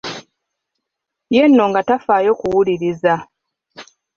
Ye nno nga tafaayo kuwuliriza